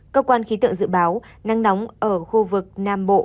cơ quan khí tượng dự báo nắng nóng ở khu vực nam bộ